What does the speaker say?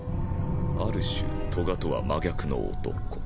ある種トガとは真逆の男。